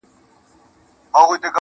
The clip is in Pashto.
انسان حیوان دی، حیوان انسان دی~